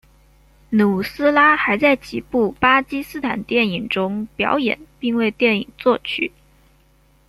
努斯拉还在几部巴基斯坦电影中表演并为电影作曲。